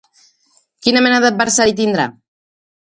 Quina mena d'adversari tindrà?